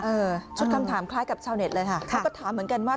ชุดคำถามคล้ายกับชาวเน็ตเลยค่ะเขาก็ถามเหมือนกันว่า